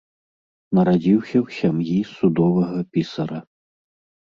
Нарадзіўся ў сям'і судовага пісара.